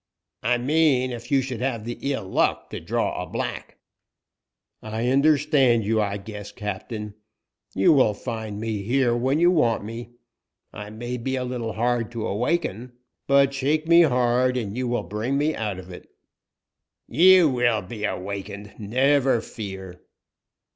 "I mean, if you should have the ill luck to draw a black." "I understand you, I guess, captain. You will find me here when you want me. I may be a little hard to awaken, but shake me hard and you will bring me out of it." "You will be awakened, never fear."